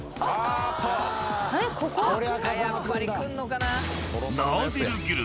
やっぱりくんのかな？